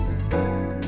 nah kembali ke lima g